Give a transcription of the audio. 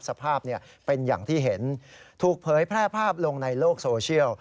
สภาพเป็นอย่างที่เห็นถูกเผยแพร่ภาพลงในโลกโซเชียล